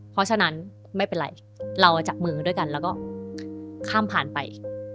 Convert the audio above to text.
เพราะฉะนั้นไม่เป็นไรเราจับมือด้วยกันแล้วก็ข้ามผ่านไป